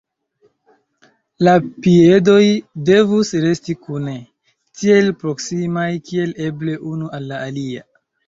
La piedoj devus resti kune, tiel proksimaj kiel eble unu al la alia.